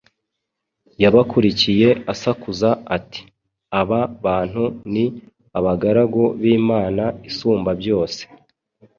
yabakurikiye asakuza ati: “Aba bantu ni abagaragu b’Imana Isumbabyose,